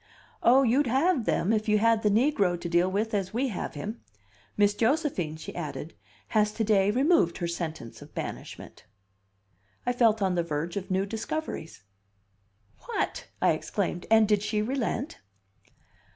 "Oh, you'd have them if you had the negro to deal with as we have him. Miss Josephine," she added, "has to day removed her sentence of banishment." I felt on the verge of new discoveries. "What!" I exclaimed, "and did she relent?"